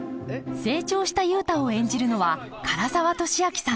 成長した雄太を演じるのは唐沢寿明さん。